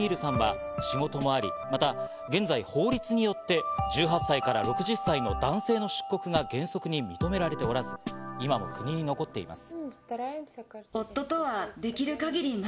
夫のブラティミールさんは仕事もあり、また現在、法律によって１８歳から６０歳の男性の出国が原則認められておらず、今も国に残っています。